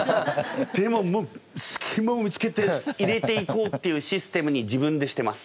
でももうすきまを見つけて入れていこうっていうシステムに自分でしてます。